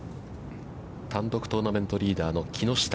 単独トーナメントリーダーの木下。